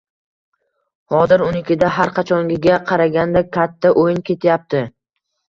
Hozir unikida har qachongiga qaraganda kata o`yin ketyapti